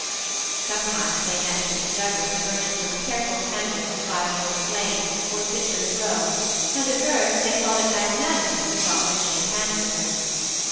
Somedmes they met Mr. Douglas emerging from a careful eanrass of Bive Courts Lane, or Stitcher^s Bow, atkd at first they thought it magnanimous to stop and shake hands with him.